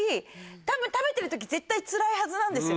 たぶん食べてる時絶対つらいはずなんですよね。